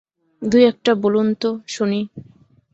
দুই একটা বলুন তো, শুনি।